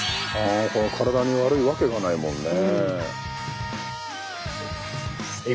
体に悪いわけがないもんね。